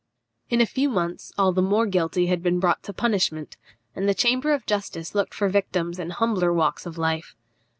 In a few months all the more guilty had been brought to punishment, and the Chamber of Justice looked for victims in humbler walks of life.